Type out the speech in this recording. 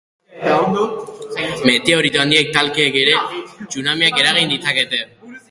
Meteorito handien talkek ere tsunamiak eragin ditzakete.